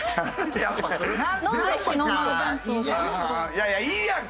いやいやいいやんか。